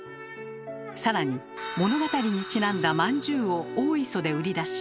更に物語にちなんだまんじゅうを大磯で売り出し